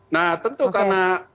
nah tentu karena